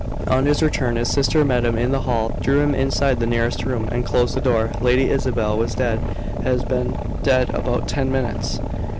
On his return his sister met him in the hall, drew him inside the nearest room, and closed the door. Lady Isabel was dead. Had been dead about ten minutes.